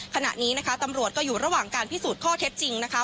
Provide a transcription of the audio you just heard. ขณะนี้นะคะตำรวจก็อยู่ระหว่างการพิสูจน์ข้อเท็จจริงนะคะ